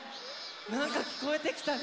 なんかきこえてきたね！